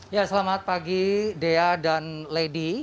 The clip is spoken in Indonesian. ya selamat pagi dea dan lady